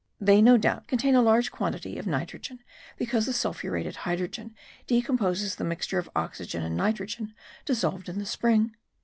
They no doubt contain a large quantity of nitrogen because the sulphuretted hydrogen decomposes the mixture of oxygen and nitrogen dissolved in the spring.